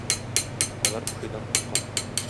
Алар пошидан курка.